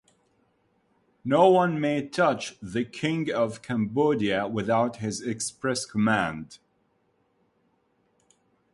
No one may touch the king of Cambodia without his express command.